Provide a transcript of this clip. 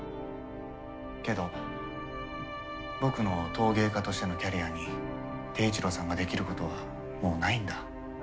けど僕の陶芸家としてのキャリアに貞一郎さんができることはもうないんだ。